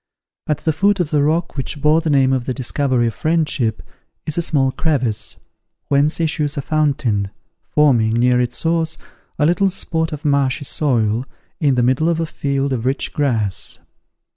At the foot of the rock which bore the name of The Discovery of Friendship, is a small crevice, whence issues a fountain, forming, near its source, a little spot of marshy soil in the middle of a field of rich grass.